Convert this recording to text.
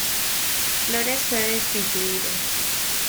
Flores fue destituido.